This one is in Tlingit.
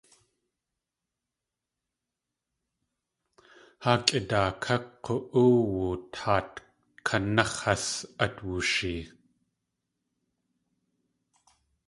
Haa kʼidaaká k̲u.óowu taat kanax̲ has at wooshee.